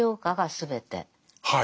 はい。